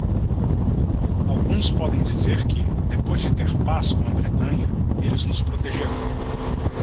Alguns podem dizer que, depois de ter paz com a Bretanha, eles nos protegerão.